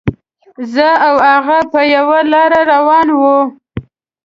زه او هغه په یوه لاره روان وو.